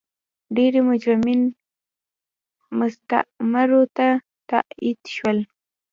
ډېری مجرمین مستعمرو ته تبعید شول.